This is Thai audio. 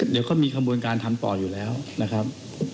เดี๋ยวก็มีขบวนการทำต่ออยู่แล้วนะครับ